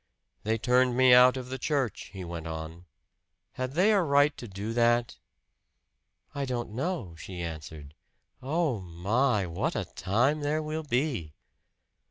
"They turned me out of the church," he went on. "Had they a right to do that?" "I don't know," she answered. "Oh, my, what a time there will be!"